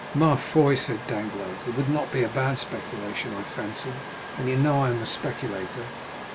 "Ma foi," said Danglars, "it would not be a bad speculation, I fancy, and you know I am a speculator."